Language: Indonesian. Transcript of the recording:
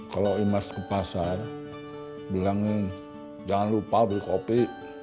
kalau imas ke pasar bilang jangan lupa beli kopi